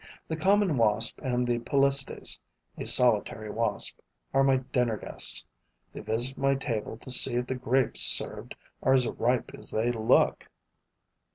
The common wasp and the Polistes [a solitary wasp] are my dinner guests: they visit my table to see if the grapes served are as ripe as they look.